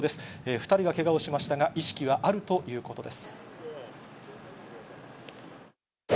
２人がけがをしましたが、意識はあるということです。